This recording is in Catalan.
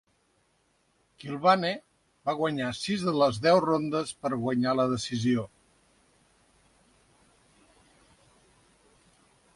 Kilbane va guanyar sis de les deu rondes per guanyar la decisió.